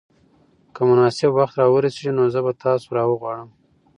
که مناسب وخت را ورسېږي نو زه به تاسو راوغواړم.